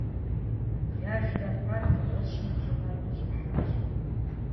Блэжрэ пэт дыгъужьым лымэр къащӏихьащ.